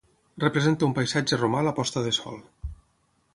Representa un paisatge romà a la posta de sol.